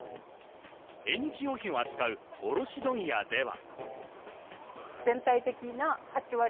縁日用品を扱う卸問屋では。